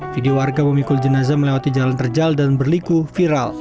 video warga memikul jenazah melewati jalan terjal dan berliku viral